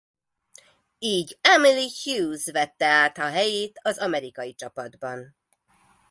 Így Emily Hughes vette át a helyét az amerikai csapatban.